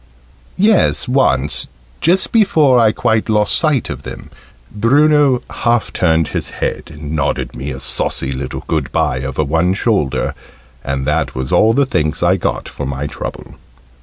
Yes, once, just before I quite lost sight of them, Bruno half turned his head, and nodded me a saucy little good bye over one shoulder. And that was all the thanks I got for my trouble.